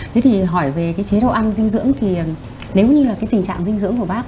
thế thì hỏi về chế độ ăn dinh dưỡng thì nếu như là tình trạng dinh dưỡng của bác